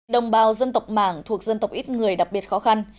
đồng bào dân tộc mảng thuộc dân tộc ít người đặc biệt khó khăn